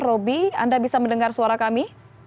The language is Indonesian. roby anda bisa mendengar suara kami